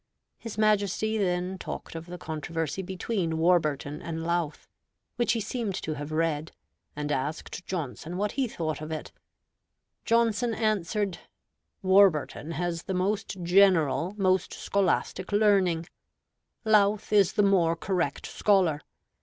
His Majesty then talked of the controversy between Warburton and Lowth, which he seemed to have read, and asked Johnson what he thought of it. Johnson answered, "Warburton has the most general, most scholastic learning; Lowth is the more correct scholar.